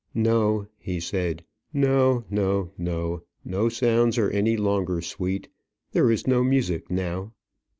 "No," he said. "No, no, no. No sounds are any longer sweet. There is no music now."